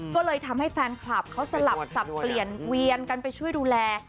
ก็เลยทำให้แฟนคลับเขาสลับสับเปลี่ยนเวียนกันไปช่วยดูแล